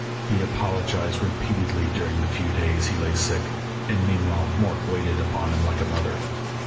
He apologized repeatedly during the few days he lay sick, and meanwhile Mort waited upon him like a mother.